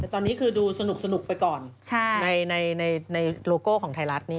ตอนนี้คือดูสนุกไปก่อนในโลโก้ของไทยรัฐ